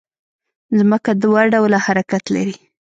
ځمکه دوه ډوله حرکت لري